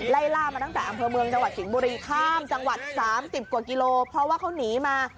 ไล่ล่ามาตั้งแต่อำเภอเมืองจังหวัดสิงห์บุรีข้ามจังหวัด๓๐กว่ากิโลเพราะว่าเขาหนีมา